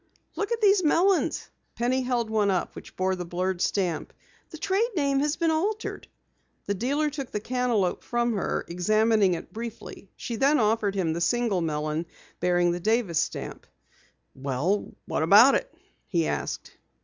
"Look at these melons." Penny held up one which bore the blurred stamp. "The trade name has been altered." The dealer took the cantaloupe from her, examining it briefly. She then offered him the single melon bearing the Davis stamp. "Well, what about it?" he asked.